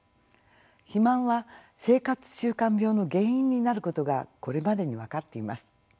肥満は生活習慣病の原因になることがこれまでに分かっています。